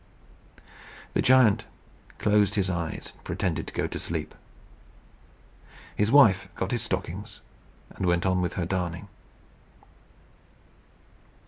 The giant closed his eyes and pretended to go to sleep. His wife got his stockings, and went on with her darning.